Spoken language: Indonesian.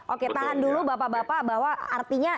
oke tahan dulu bapak bapak bahwa artinya